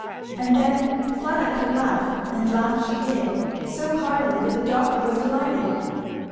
And then Fleda could laugh, and laugh she did, so heartily that the doctor was delighted.